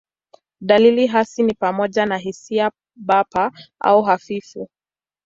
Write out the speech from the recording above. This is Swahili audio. Dalili hasi ni pamoja na hisia bapa au hafifu.